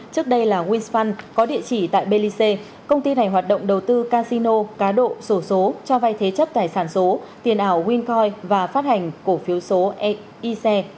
trước đây là windsbank có địa chỉ tại belize công ty này hoạt động đầu tư casino cá độ sổ số cho vai thế chấp tài sản số tiền ảo wincoin và phát hành cổ phiếu số ece